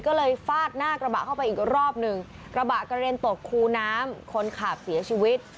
ก็เลยฟาดหน้ากระบะเข้าไปอีกรอบหนึ่งกระบะกระเด็นตกคูน้ำคนขับเสียชีวิต